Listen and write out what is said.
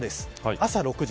朝６時。